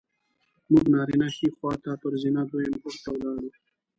موږ نارینه ښي خوا ته پر زینه دویم پوړ ته ولاړو.